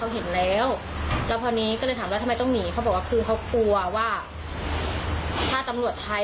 หากเล่าถนนก็เลยถามว่ามันเกิดอะไรขึ้นด้วยเราตั้งแต่แรกได้ไหม